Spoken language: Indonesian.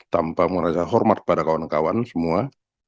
tanpa menghargai hormat pada kawan kawan semua